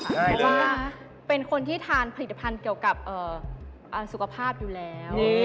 เพราะว่าเป็นคนที่ทานผลิตภัณฑ์เกี่ยวกับสุขภาพอยู่แล้ว